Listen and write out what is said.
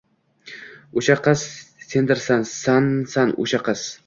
O’sha qiz sendirsan, sansan o’sha qiz!